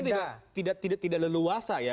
dan mungkin tidak leluasa ya